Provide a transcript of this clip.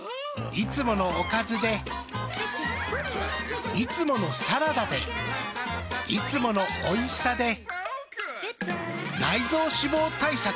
いつものおかずでいつものサラダでいつものおいしさで内臓脂肪対策。